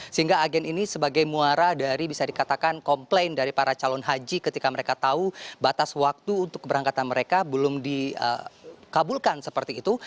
sehingga agen ini sebagai muara dari bisa dikatakan komplain dari para calon haji ketika mereka tahu batas waktu untuk keberangkatan mereka belum dikabulkan seperti itu